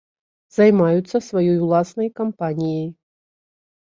Займаюцца сваёй уласнай кампаніяй.